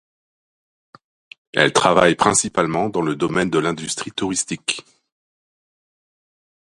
Elle travaille principalement dans le domaine de l'industrie touristique.